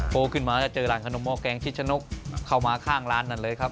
ขึ้นมาแล้วเจอร้านขนมห้อแกงชิดชะนกเข้ามาข้างร้านนั่นเลยครับ